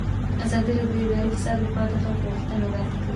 ازادي راډیو د اداري فساد لپاره د خلکو غوښتنې وړاندې کړي.